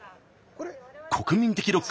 国民的ロック